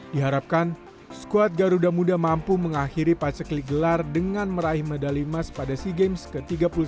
diharapkan squad garuda muda mampu mengakhiri pasak ligelar dengan meraih medali emas pada sea games ke tiga